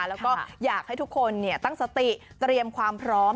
แล้วก็อยากให้ทุกคนตั้งสติเตรียมความพร้อม